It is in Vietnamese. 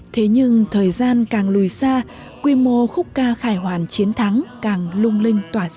thế nhưng thời gian càng lùi xa quy mô khúc ca khải hoàn chiến thắng càng lung linh tỏa sáng